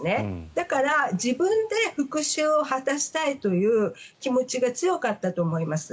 だから自分で復しゅうを果たしたいという気持ちが強かったと思います。